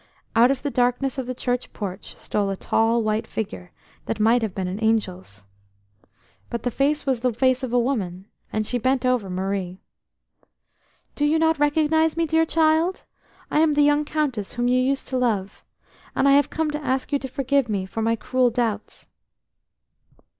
Out of the darkness of the church porch stole a tall white figure, that might have been an angel's. But the face was the face of a woman, and she bent over Marie, exclaiming: "Do you not recognise me, dear child? I am the young Countess whom you used to love, and I have come to ask you to forgive me for my cruel doubts."